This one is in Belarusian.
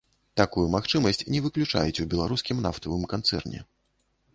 Такую магчымасць не выключаюць у беларускім нафтавым канцэрне.